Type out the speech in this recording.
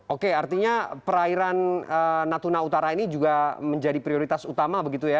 oke artinya perairan natuna utara ini juga menjadi prioritas utama begitu ya